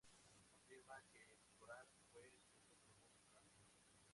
Afirma que el Corán fue escrito por un rabino.